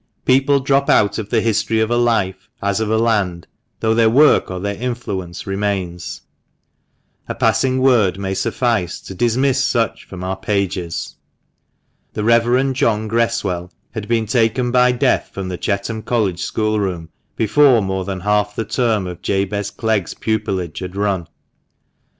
People drop out of the history of a life as of a land, though their work or their influence remains. A passing word may suffice to dismiss such from our pages. The Reverend John Gress well had been taken by Death from the Chetham College schoolroom before more than half the term of Jabez Clegg's pupilage had run. Dr.